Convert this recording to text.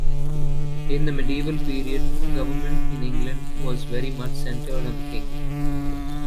In the Medieval period, government in England was very much centred on the King.